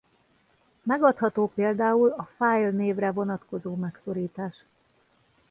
Megadható például a fájlnévre vonatkozó megszorítás.